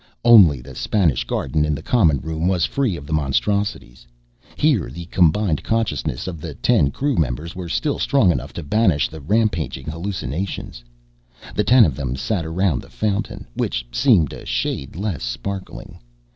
Only the Spanish garden in the common room was free of the monstrosities. Here, the combined conscious minds of the ten crew members were still strong enough to banish the rampaging hallucinations. The ten of them sat around the fountain, which seemed a shade less sparkling.